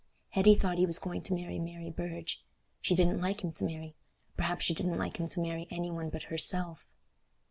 Hetty thought he was going to marry Mary Burge—she didn't like him to marry—perhaps she didn't like him to marry any one but herself?